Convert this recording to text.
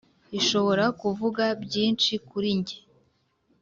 ishobora kuvuga byinshi kuli jye